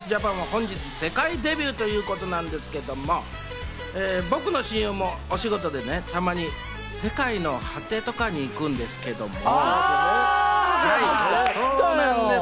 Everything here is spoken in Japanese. ちなみにＴｒａｖｉｓＪａｐａｎは本日、世界デビューということなんですけれども、僕の親友もお仕事でたまに世界の果てとかに行くんですけれども。